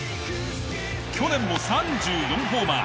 去年も３４ホーマー。